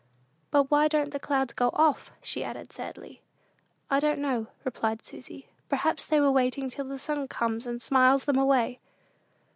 "But why don't the clouds go off?" she added, sadly. "I don't know," replied Susy; "perhaps they are waiting till the sun comes and smiles them away."